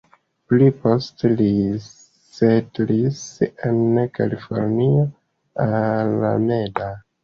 Pli poste li setlis en Kalifornio, Alameda.